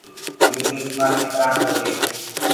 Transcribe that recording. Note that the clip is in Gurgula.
يو چشمآ ڪِتآرآ ڪو هي۔